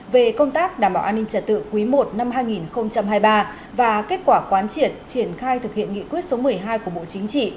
về công tác đảm bảo an ninh trật tự quý i năm hai nghìn hai mươi ba và kết quả quán triệt triển khai thực hiện nghị quyết số một mươi hai của bộ chính trị